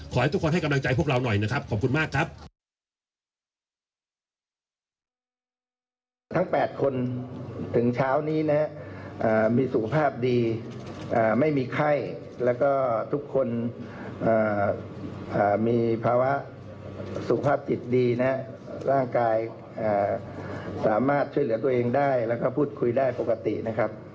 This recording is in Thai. ขอให้ทุกคนให้กำลังใจพวกเราหน่อยนะครับขอบคุณมากครับ